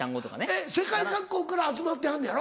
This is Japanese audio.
えっ世界各国から集まってはんのやろ？